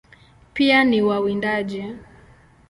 Pia ni wawindaji.